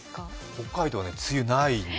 北海道、梅雨ない。